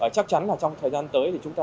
chắc chắn là trong thời gian tới thì chúng ta